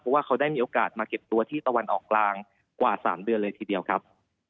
เพราะว่าเขาได้มีโอกาสมาเก็บตัวที่ตะวันออกกลางกว่า๓เดือนเลยทีเดียวครับ